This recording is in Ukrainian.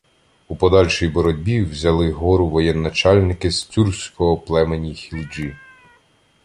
У подальшій боротьбі взяли гору воєначальники з тюркського племені хілджі.